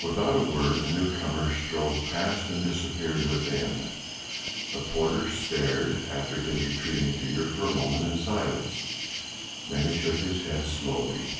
Without a word the newcomer strode past and disappeared within. The porter stared after his retreating figure for a moment in silence, then he shook his head slowly.